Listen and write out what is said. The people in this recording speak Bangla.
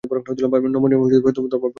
নমনীয় ধর্মনিরপেক্ষতা।